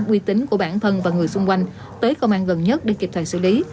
quy tính của bản thân và người xung quanh tới công an gần nhất để kịp thời xử lý